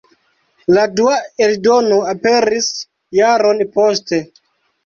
La dua eldono aperis jaron poste.